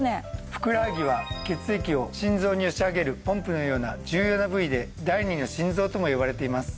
ふくらはぎは血液を心臓に押し上げるポンプのような重要な部位で第２の心臓とも呼ばれています。